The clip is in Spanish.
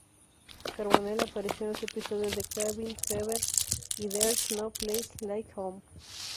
Carbonell apareció en los episodios "Cabin Fever" y "There's No Place Like Home".